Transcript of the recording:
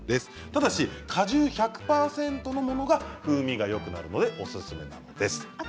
ただし果汁１００％のものが風味がよくなるのでおすすめです。